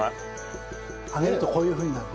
揚げるとこういうふうになる。